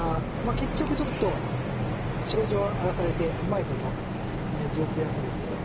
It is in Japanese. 結局ちょっと白地を荒らされてうまいこと地を増やされて。